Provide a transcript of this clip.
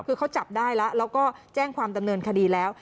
คือเขาจับได้แล้วแล้วก็แจ้งความดำเนินคดีแล้ว